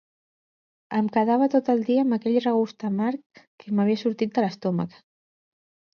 Em quedava tot el dia amb aquell regust amarg que m'havia sortit de l'estómac.